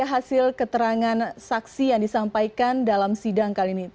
hasil keterangan saksi yang disampaikan dalam sidang kali ini